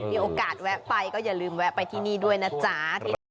มีโอกาสแวะไปก็อย่าลืมแวะไปที่นี่ด้วยนะจ๊ะ